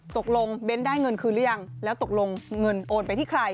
ตกลงเบ้นได้เงินคืนหรือยังแล้วตกลงเงินโอนไปที่ใคร